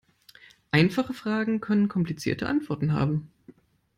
Einfache Fragen können komplizierte Antworten haben.